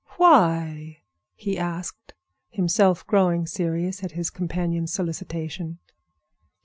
"Why?" he asked; himself growing serious at his companion's solicitation.